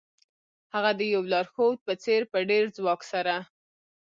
هغه د یو لارښود په څیر په ډیر ځواک سره